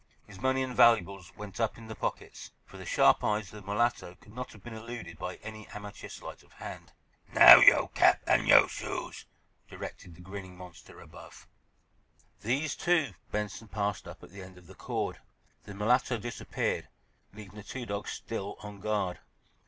His money and valuables went up in the pockets, for the sharp eyes of the mulatto could not have been eluded by any amateur slight of hand. "Now, yo' cap an' yo' shoes," directed the grinning monster above. These, too, Benson passed up at the end of the cord. The mulatto disappeared, leaving the two dogs still on guard.